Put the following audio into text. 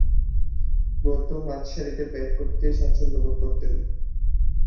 মূলতঃ মাঝারিসারিতে ব্যাট করতে স্বাচ্ছন্দ্যবোধ করতেন।